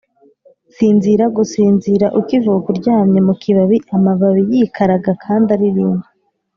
sinzira gusinzira ukivuka uryamye mu kibabi-amababi yikaraga kandi aririmba